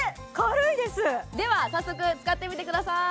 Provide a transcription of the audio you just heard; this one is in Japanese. では早速使ってみてください